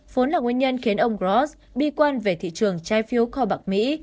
vốn là nguyên nhân khiến ông gross bi quan về thị trường trái phiếu kho bạc mỹ